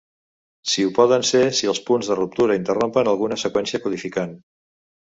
Si ho poden ser si els punts de ruptura interrompen alguna seqüència codificant.